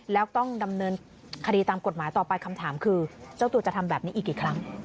แล้วต้องดำเนินคดีตามกฎหมายต่อไปคำถามคือเจ้าตัวจะทำแบบนี้อีกกี่ครั้ง